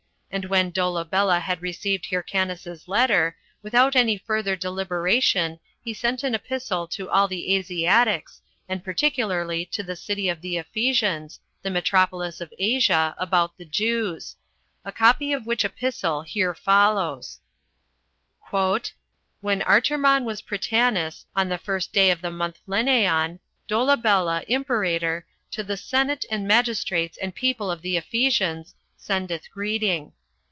And when Dolabella had received Hyrcanus's letter, without any further deliberation, he sent an epistle to all the Asiatics, and particularly to the city of the Ephesians, the metropolis of Asia, about the Jews; a copy of which epistle here follows: 12. "When Artermon was prytanis, on the first day of the month Leneon, Dolabella, imperator, to the senate, and magistrates, and people of the Ephesians, sendeth greeting.